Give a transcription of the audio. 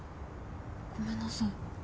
ごめんなさい。